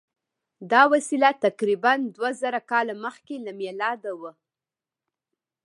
دا وسیله تقریبآ دوه زره کاله مخکې له میلاده وه.